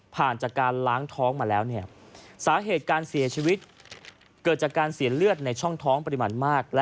ผ่านจากการล้างท้องมาแล้วเนี่ยสาเหตุการเสียชีวิตเกิดจากการเสียเลือดในช่องท้องปริมาณมาก